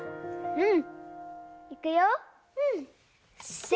うん。